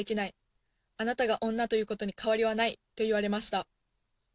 あなたが女ということに変わりはない」と言われました。